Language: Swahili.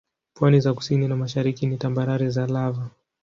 Pwani za kusini na mashariki ni tambarare za lava.